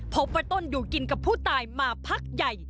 พบว่าต้นอยู่กินกับผู้ตายมาพักใหญ่